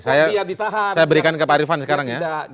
saya berikan ke pak rifan sekarang ya